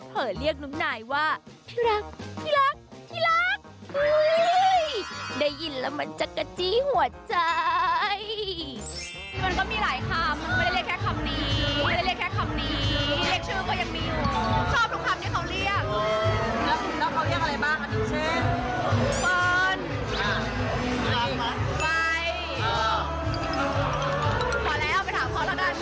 เผ่อเรียกนุ้งหน่ายว่าพี่รักพี่รักพี่รัก